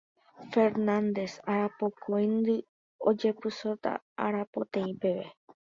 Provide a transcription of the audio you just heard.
Fernández Arapokõindy ojepysóta arapoteĩ peve.